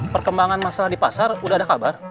perkembangan masalah di pasar udah ada kabar